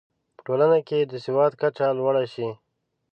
په ټولنه کې د سواد کچه لوړه شي.